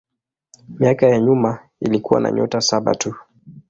Miaka ya nyuma ilikuwa na nyota saba tu.